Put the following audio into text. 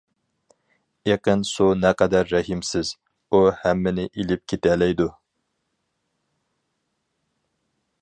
ئېقىن سۇ نەقەدەر رەھىمسىز، ئۇ ھەممىنى ئېلىپ كېتەلەيدۇ.